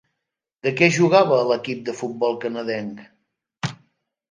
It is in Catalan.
De què jugava a l'equip de futbol canadenc?